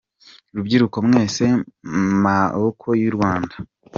Rubyiruko mwese maboko y’u Rwanda